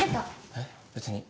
えっ別に。